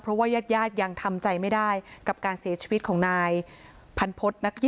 เพราะว่ายาดยังทำใจไม่ได้กับการเสียชีวิตของนายพันพฤษ